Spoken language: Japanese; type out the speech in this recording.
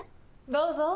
どうぞ。